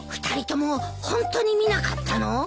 ２人ともホントに見なかったの？